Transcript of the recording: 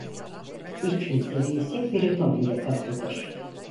İç yüzleri ise periton ile kaplıdır.